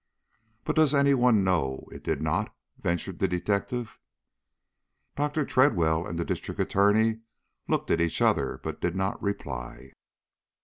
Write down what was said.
"But does any one know it did not?" ventured the detective. Dr. Tredwell and the District Attorney looked at each other, but did not reply.